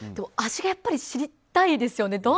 味がやっぱり知りたいですよね。